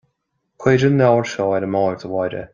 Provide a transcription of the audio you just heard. Cuir an leabhar seo ar an mbord, a Mháire